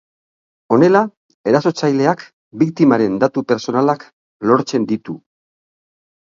Honela, erasotzaileak biktimaren datu pertsonalak lortzen ditu.